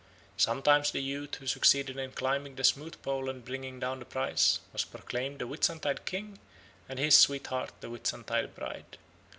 Sometimes the youth who succeeded in climbing the smooth pole and bringing down the prize was proclaimed the Whitsuntide King and his sweetheart the Whitsuntide Bride.